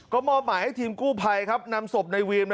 ก็มอบหมายให้ทีมกู้ภัยครับนำศพในวีม